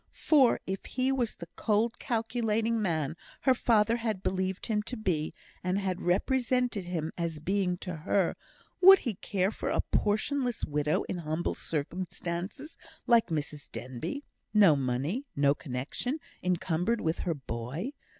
For if he were the cold, calculating man her father had believed him to be, and had represented him as being to her, would he care for a portionless widow in humble circumstances like Mrs Denbigh; no money, no connexion, encumbered with her boy?